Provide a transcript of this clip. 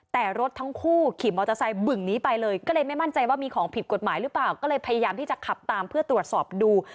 แต่รถทั้งคู่ขี่มอเตอร์ไซค์บึ่งนี้ไปเลยก็เลยไม่มั่นใจว่ามีของผิดกฎหมายหรือเปล่าก็เลยพยายามที่จะขับตามเพื่อตรวจสอบดู